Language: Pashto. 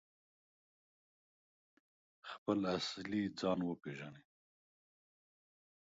خپل اصلي ځان وپیژني؟